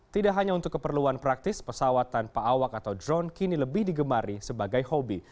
tidak hanya untuk keperluan praktis pesawat tanpa awak atau drone kini lebih digemari sebagai hobi